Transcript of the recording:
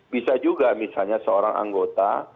bisa juga misalnya seorang anggota